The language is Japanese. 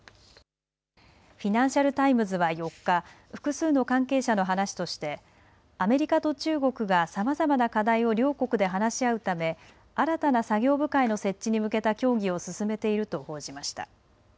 フィナンシャル・タイムズは４日、複数の関係者の話としてアメリカと中国がさまざまな課題を両国で話し合うため新たな作業部会の設置に向けた協議を進めていると報じました。